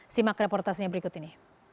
simak reportasinya berikut ini